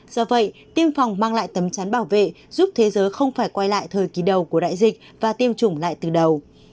do vậy tiêm phòng mang lại tấm chắn bảo vệ giúp thế giới không phải quay lại thời kỳ đầu của đại dịch và tiêm chủng lại từ đầu